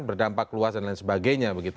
berdampak luas dan lain sebagainya